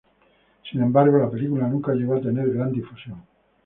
Sin embargo, la película nunca llegó a tener gran difusión.